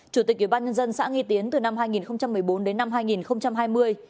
chủ tịch ủy ban nhân dân xã nghi tiến từ năm hai nghìn một mươi bốn đến năm hai nghìn hai mươi